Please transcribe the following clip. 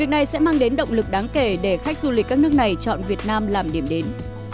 việc này sẽ mang đến động lực đáng kể để khách du lịch các nước này chọn việt nam làm điểm đến